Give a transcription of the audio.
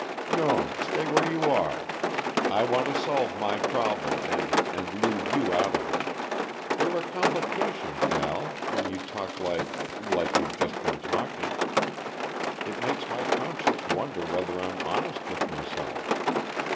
"No stay where you are. I want to solve my problem and and leave you out of it; you're a complication, pal when you talk like like you've just been talking. It makes my conscience wonder whether I'm honest with myself.